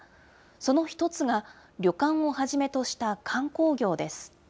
その一つが、旅館をはじめとした観光業です。